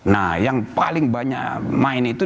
nah yang paling banyak main itu